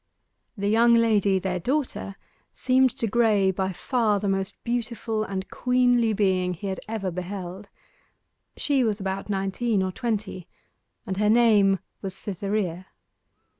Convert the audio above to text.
The young lady, their daughter, seemed to Graye by far the most beautiful and queenly being he had ever beheld. She was about nineteen or twenty, and her name was Cytherea.